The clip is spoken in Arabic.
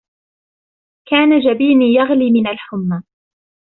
كان جبيني يغلي من الحمى.